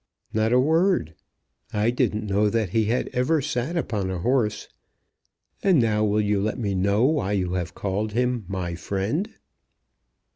"Not a word. I didn't know that he had ever sat upon a horse. And now will you let me know why you have called him my friend?"